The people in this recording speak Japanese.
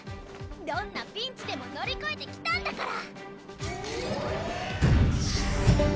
どんなピンチでも乗り越えてきたんだから！